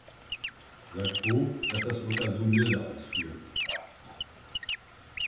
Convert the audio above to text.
Sei froh, dass das Urteil so milde ausfiel.